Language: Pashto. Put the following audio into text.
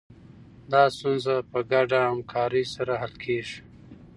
دا ستونزه په ګډه همکارۍ سره حل کېږي.